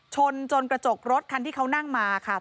ชนจนกระจกรถคันที่เขานั่งมาค่ะ